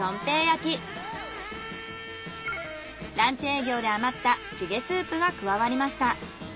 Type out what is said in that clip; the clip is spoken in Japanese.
ランチ営業で余ったチゲスープが加わりました。